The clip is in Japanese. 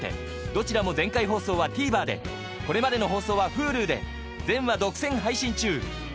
どちらも前回放送はＴＶｅｒでこれまでの放送はＨｕｌｕで全話独占配信中